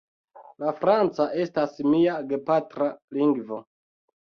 La franca estas mia gepatra lingvo.